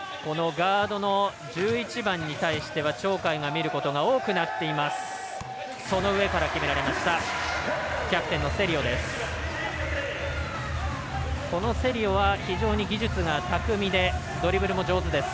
ガードの１１番に対しては鳥海が見ることが多くなっています。